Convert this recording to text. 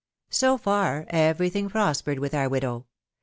So far every tiling prospered with our widow.